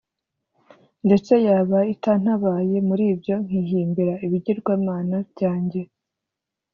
ndetse yaba itantabaye muri byo nkihimbira ibigirwamana byanjye